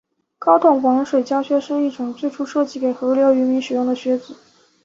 高筒防水胶靴是一种最初设计给河流渔民使用的靴子。